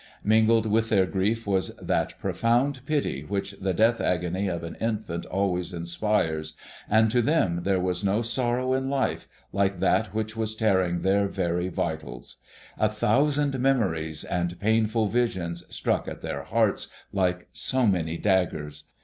Mingled with their grief was that profound pity which the death agony of an infant always inspires, and to them there was no sorrow in life like that which was tearing their very vitals. A thousand memories and painful visions struck at their hearts like so many daggers.